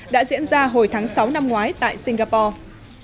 đã diễn ra hồi tháng sáu năm ngoái tại singapore